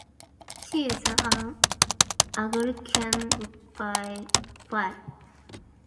She is an Anglican by faith.